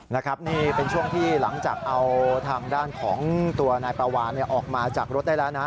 นะครับนี่เป็นช่วงที่หลังจากเอาทางด้านของตัวนายปลาวานออกมาจากรถได้แล้วนะ